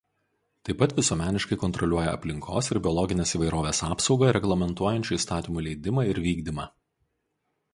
Taip pat visuomeniškai kontroliuoja aplinkos ir biologinės įvairovės apsaugą reglamentuojančių įstatymų leidimą ir vykdymą.